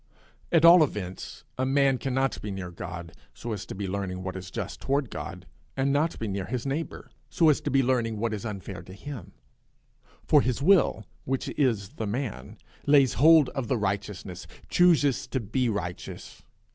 At all events, a man cannot be near God, so as to be learning what is just toward God, and not be near his neighbour, so as to be learning what is unfair to him; for his will, which is the man, lays hold of righteousness, chooses to be righteous.